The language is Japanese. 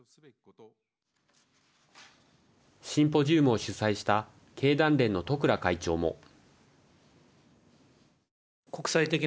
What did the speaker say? シンポジウムを主催した経団連の十倉会長も。